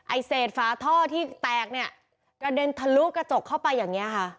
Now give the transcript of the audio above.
เศษฝาท่อที่แตกเนี่ยกระเด็นทะลุกระจกเข้าไปอย่างนี้ค่ะ